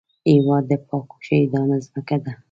هېواد د پاکو شهیدانو ځمکه ده